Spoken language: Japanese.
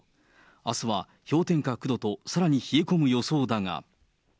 あすは氷点下９度とさらに冷え込む予想だが。